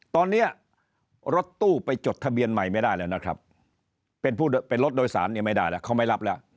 ตอนนี้รถตู้ไปจดทะเบียนใหม่ไม่ได้แล้วนะครับเป็นรถโดยสารเนี่ยไม่ได้แล้วเขาไม่รับแล้ว